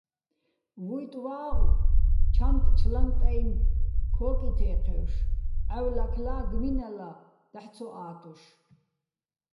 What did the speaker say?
ვუჲტ-ვა́ღო̆ ჩანტ-ჩლანტაჲნო̆ ქოკი თე́ჴჲოშ, ჺავ ლაქლა́, გმინალა დაჰ̦ ცო ა́ტუშ.